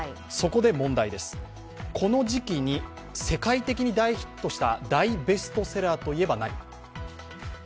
そこで問題です、この時期に世界的に大ヒットした大ベストセラーといえば何？